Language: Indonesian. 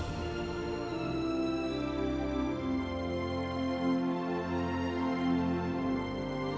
saya sudah selesai